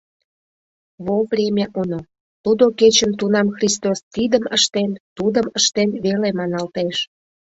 «Во время оно», тудо кечын тунам Христос тидым ыштен, тудым ыштен веле маналтеш.